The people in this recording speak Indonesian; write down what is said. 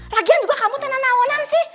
lagian juga kamu tenang awonan sih